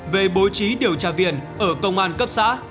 về bố trí điều tra viên ở công an cấp xã